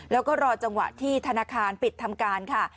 แล้วก็รอจังหวะที่ธนาคารปิดทำการค่ะ